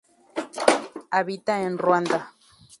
Habita en Ruanda.